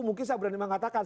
mungkin saya berani mengatakan